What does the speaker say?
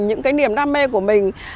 những cái niềm đam mê của mình